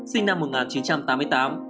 sinh năm một nghìn chín trăm tám mươi tám